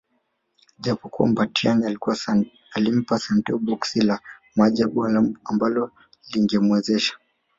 Japokuwa Mbatiany alimpa Santeu boksi la Maajabu ambalo lingemwezesha